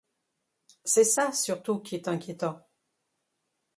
C'est ça surtout qui est inquiétant.